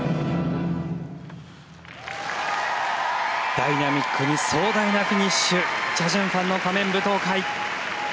ダイナミックに壮大なフィニッシュチャ・ジュンファンの「仮面舞踏会」。